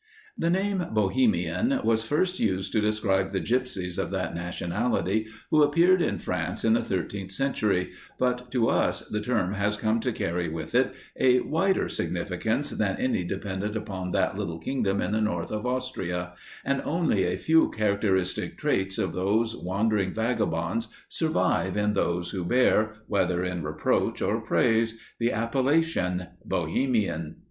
* The name "Bohemian" was first used to describe the gypsies of that nationality who appeared in France in the thirteenth century, but to us the term has come to carry with it a wider significance than any dependent upon that little kingdom in the north of Austria, and only a few characteristic traits of those wandering vagabonds survive in those who bear, whether in reproach or praise, the appellation "Bohemian."